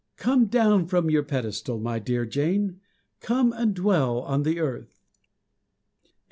Come down from your pedestal, my dear Jane come and dwell on the earth. THE END.